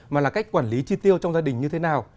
mà là cách quản lý chi tiêu trong gia đình như thế nào